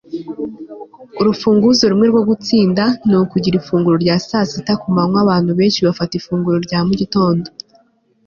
urufunguzo rumwe rwo gutsinda ni ukugira ifunguro rya saa sita ku manywa abantu benshi bafata ifunguro rya mu gitondo